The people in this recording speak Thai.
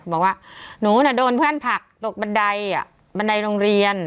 บอกว่าหนูน่ะโดนเพื่อนผลักตกบันไดบันไดโรงเรียน